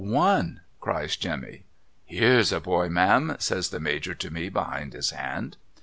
' One !' cries Jemmy. (' Hires a boy, Ma'am !' says the Major to me behind his hand.)